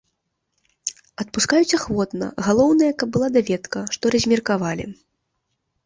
Адпускаюць ахвотна, галоўнае, каб была даведка, што размеркавалі.